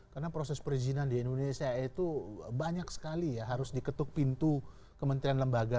karena proses perizinan di indonesia itu banyak sekali ya harus diketuk pintu kementerian lembaga